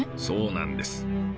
そうなんです。